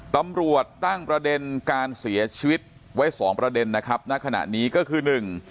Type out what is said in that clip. ตำรวจตั้งประเด็นการเสียชีวิตไว้สองประเด็นนะครับณขณะนี้ก็คือหนึ่ง